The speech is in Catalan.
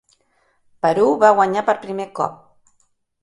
Perú va guanyar per primer cop.